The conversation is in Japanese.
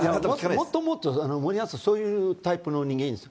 もともと森保さん、そういうタイプの人間です。